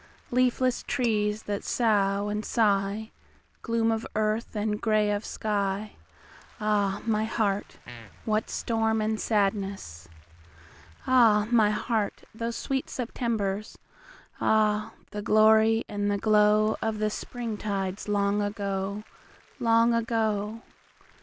Leafless trees that sough and sigh, Gloom of earth, and grey of sky, Ah, my heart, what storm and sadness! Ah, my heart, those sweet Septembers! Ah, the glory and the glowOf the Spring tides long ago, Long ago!